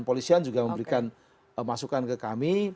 polisian juga memberikan masukan ke kami